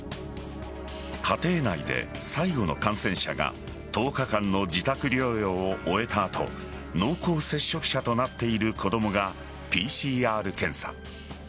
家庭内で最後の感染者が１０日間の自宅療養を終えた後濃厚接触者となっている子供がＰＣＲ検査。